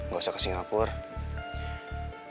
gak usah ke singapura